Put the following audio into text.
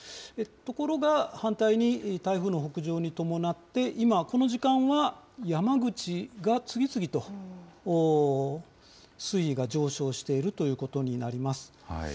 ところが反対に台風の北上に伴って、今、この時間は山口が次々と水位が上昇しているということになります。